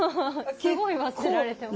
すごい忘れられてます。